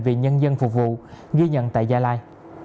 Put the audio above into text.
vì nhân dân phục vụ ghi nhận tại gia lai